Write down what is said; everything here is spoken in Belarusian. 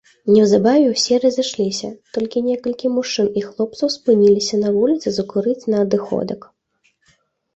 Неўзабаве ўсе разышліся, толькі некалькі мужчын і хлопцаў спыніліся на вуліцы закурыць на адыходак.